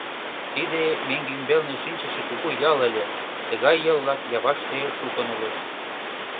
Тиде меҥге ӱмбалне шинчыше кугу ял ыле, тыгай ял-влак Яваште шукын улыт.